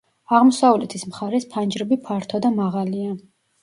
აღმოსავლეთის მხარეს ფანჯრები ფართო და მაღალია.